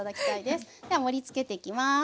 では盛りつけていきます。